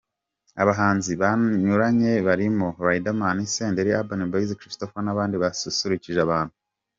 Abahanzi banyuranye barimo Riderman, Senderi, Urban Boyz, Christopher n'abandi basusurukije abantu.